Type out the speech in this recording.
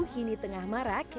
kini tengah marak